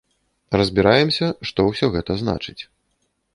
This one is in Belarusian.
Разбіраемся, што ўсё гэта значыць.